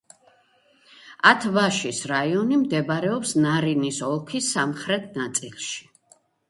ათ-ბაშის რაიონი მდებარეობს ნარინის ოლქის სამხრეთ ნაწილში.